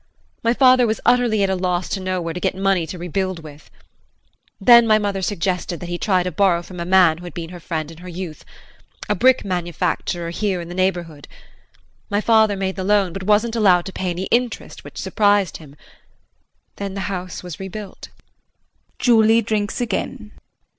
My father was utterly at a loss to know where to get money to rebuild with. Then my mother suggested that he try to borrow from a man who had been her friend in her youth a brick manufacturer here in the neighborhood. My father made the loan, but wasn't allowed to pay any interest, which surprised him. Then the house was rebuilt. [Julie drinks again.